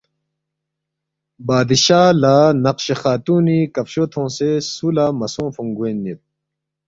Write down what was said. ”بادشاہ لہ نقشِ خاتونی کفشو تھونگسے سُو لہ مہ سونگفونگ گوین یود